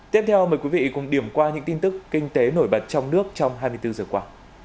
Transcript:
tiếp theo mời quý vị cùng điểm qua những tin tức kinh tế nổi bật trong nước trong hai mươi bốn giờ qua